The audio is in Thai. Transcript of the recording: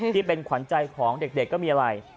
ที่เป็นขวัญใจของเด็กก็มีอะไร